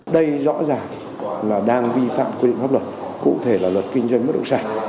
đây rõ ràng là đang vi phạm quy định pháp luật cụ thể là luật kinh doanh bất động sản